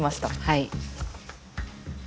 はい。